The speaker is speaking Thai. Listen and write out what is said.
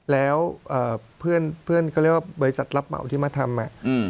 แล้วเพื่อนเขาเรียกว่าบริษัทรับเหมาที่มาทำ